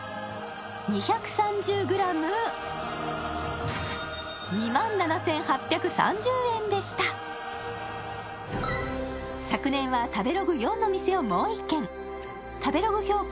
２３０グラム２万７８３０円でした昨年は「食べログ４の店」をもう一軒食べログ評価